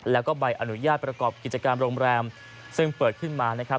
แล้วก็ใบอนุญาตประกอบกิจการโรงแรมซึ่งเปิดขึ้นมานะครับ